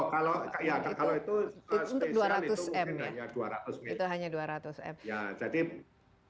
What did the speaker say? kalau itu spesial itu hanya dua ratus miliar